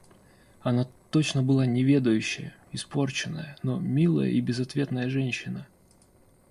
Она точно была неведающая, испорченная, но милая и безответная женщина.